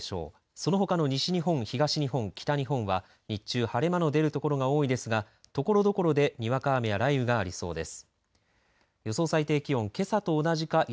そのほかの西日本、東日本、北日本は日中、晴れ間の出るところが多いですがところどころでにわか雨や雷雨がありそうです。